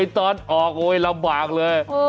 ตอนออกโอ๊ยลำบากเลย